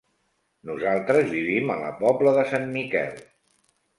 Nosaltres vivim a la Pobla de Sant Miquel.